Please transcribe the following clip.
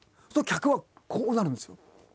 そうすると客はこうなるんですよ。